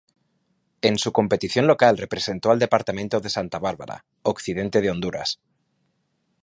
En su competición local representó al departamento de Santa Bárbara, occidente de Honduras.